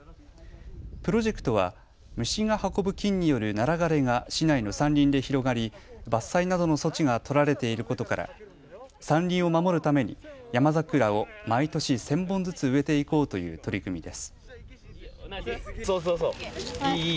プロジェクトは虫が運ぶ菌によるナラ枯れが市内の山林で広がり伐採などの措置が取られていることから山林を守るためにヤマザクラを毎年１０００本ずつ植えていこうという取り組みです。